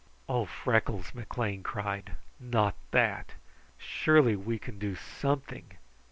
"Oh, Freckles!" McLean cried. "Not that! Surely we can do something!